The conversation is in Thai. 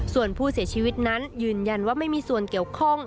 ส่วนผู้เสียชีวิตนั้นยืนยันว่าไม่มีส่วนเกี่ยวข้อง